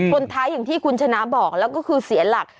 ชนท้ายอย่างที่คุณชนะบอกแล้วก็คือเสียหลัก